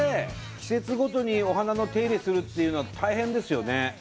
季節ごとにお花の手入れするっていうのは大変ですよね。